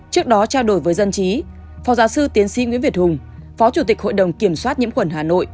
trước đó trao đổi với dân trí phó giáo sư tiến sĩ nguyễn việt hùng phó chủ tịch hội đồng kiểm soát nhiễm khuẩn hà nội